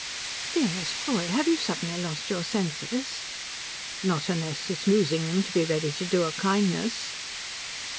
"Dearest boy, have you suddenly lost your senses?" "Not unless it's losing them to be ready to do a kindness."